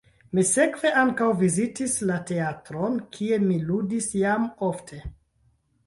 Mi sekve ankaŭ vizitis la teatron, kie mi ludis jam ofte.